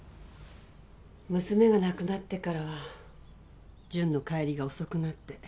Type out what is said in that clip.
娘が亡くなってからは潤の帰りが遅くなって。